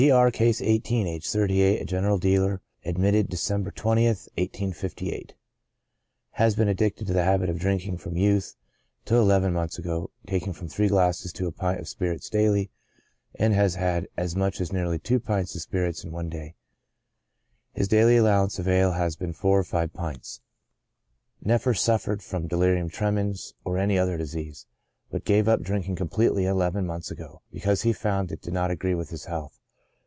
R —, (Case 1 8,) aged 38, a general dealer ; admitted December 20th, 1858. Has been addicted to the habit of drinking from youth, till eleven months ago, taking from three glasses to a pint of spirits daily, and has had as much as nearly two pints of spirits in one day ; his daily allowance of ale has been four or five pints ; never suffered from delirium tremens or any other disease, but gave up drinking completely eleven months ago, because he found it did not agree with his health.